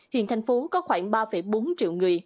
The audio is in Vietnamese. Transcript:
hiện thành phố có khoảng ba bốn triệu người